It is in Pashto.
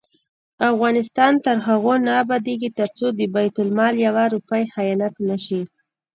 افغانستان تر هغو نه ابادیږي، ترڅو د بیت المال یوه روپۍ خیانت نشي.